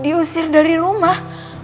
diusir dari rumah